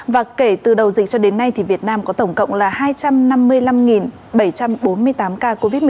và kể từ đầu dịch cho đến nay thì việt nam có tổng cộng là hai trăm năm mươi năm bảy trăm bốn mươi tám ca covid một mươi chín